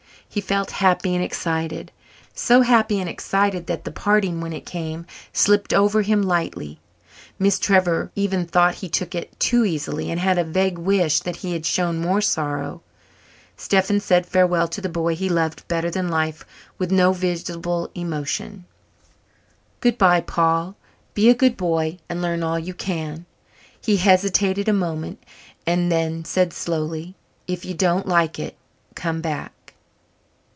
He felt happy and excited so happy and excited that the parting when it came slipped over him lightly. Miss Trevor even thought he took it too easily and had a vague wish that he had shown more sorrow. Stephen said farewell to the boy he loved better than life with no visible emotion. "Good bye, Paul. Be a good boy and learn all you can." He hesitated a moment and then said slowly, "If you don't like it, come back."